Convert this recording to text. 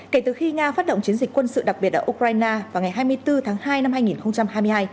kể từ khi nga phát động chiến dịch quân sự đặc biệt ở ukraine vào ngày hai mươi bốn tháng hai năm hai nghìn hai mươi hai